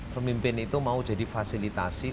pemimpin itu mau jadi fasilitasi